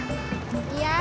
lu aja yang beli dah